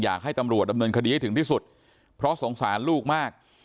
อยากให้ตำรวจดำเนินคดีให้ถึงที่สุดเพราะสงสารลูกมาก